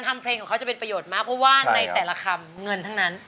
เพลงของเขาจะเป็นประโยชน์มากเพราะว่าในแต่ละคำเงินทั้งนั้น